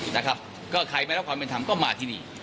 นะครับก็ใครไม่รับความเป็นธรรมก็มาที่นี่